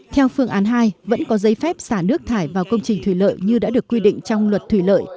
theo phương án hai vẫn có giấy phép xả nước thải vào công trình thủy lợi như đã được quy định trong luật thủy lợi